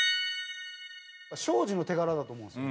庄司の手柄だと思うんですよ。